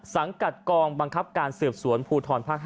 สังกัดกองบังคับการสืบสวนภูทรภาค๕